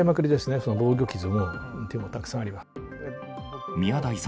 その防御傷も、手もたくさんあります。